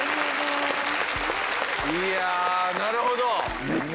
・いやなるほど。